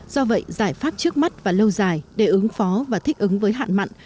do vậy giải pháp trước mắt và lâu dài để ứng phó và thích ứng với hạn mặn